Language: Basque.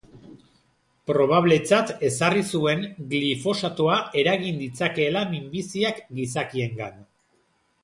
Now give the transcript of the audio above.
Probabletzat ezarri zuen glifosatoak eragin ditzakeela minbiziak gizakiengan.